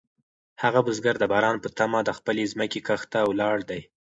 هغه بزګر د باران په تمه د خپلې ځمکې کښت ته ولاړ دی.